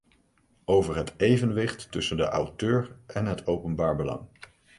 Over het evenwicht tussen de auteur en het openbaar belang.